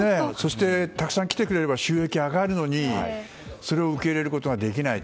たくさん来てくれれば収益が上がるのにそれを受けることができない。